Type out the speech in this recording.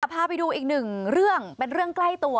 พาไปดูอีกหนึ่งเรื่องเป็นเรื่องใกล้ตัว